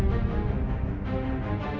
ya aku harus berhasil